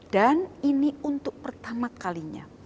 dan ini untuk pertama kalinya